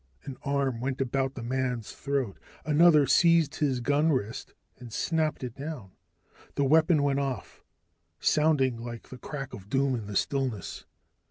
An arm went about the man's throat, another seized his gun wrist and snapped it down. The weapon went off, sounding like the crack of doom in the stillness.